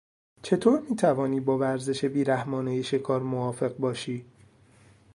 چطور میتوانی با ورزش بیرحمانهی شکار موافق باشی؟